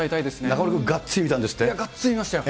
中丸君、がっつり見たんですがっつり見ましたよ。